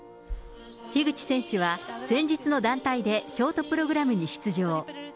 樋口選手は、先日の団体でショートプログラムに出場。